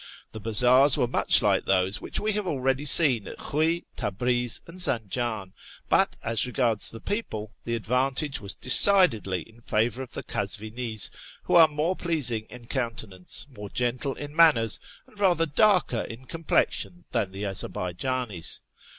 The bazaars were much like those which we had already seen at Khiiy, Tabriz, and Zanjan; but as regards the people, the advantage was decidedly in favour of the Kazvinis, who are more pleasing in countenance, more gentle in manners, and rather darker in complexion than the Azarbaijauis.